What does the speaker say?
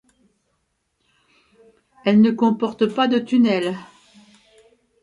Elle ne comporte pas de tunnels.